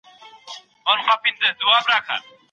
غوسه بدن ته زيان رسوي